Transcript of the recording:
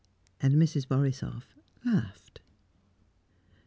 And Mrs. Borisoff laughed.